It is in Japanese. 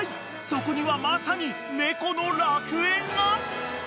そこにはまさに猫の楽園が！］